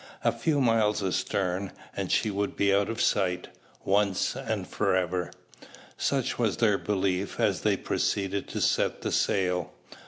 A few miles astern, and she would be out of sight, once and forever. Such was their belief, as they proceeded to set the sail.